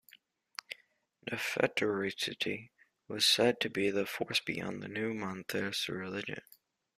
Nefertiti was said to be the force behind the new monotheist religion.